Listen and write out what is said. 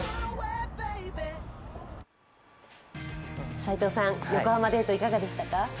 斎藤さん、横浜デート、いかがでしたか？